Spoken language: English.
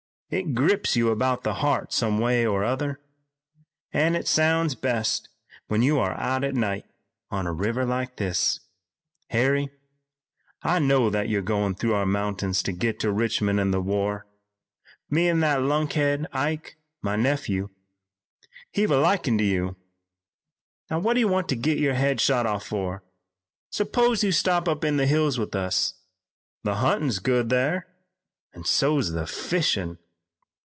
It grips you about the heart some way or other, an' it sounds best when you are out at night on a river like this. Harry, I know that you're goin' through our mountins to git to Richmond an' the war. Me an' that lunkhead Ike, my nephew, hev took a likin' to you. Now, what do you want to git your head shot off fur? S'pose you stop up in the hills with us. The huntin's good thar, an' so's the fishin'."